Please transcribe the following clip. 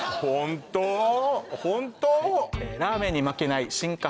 ホント？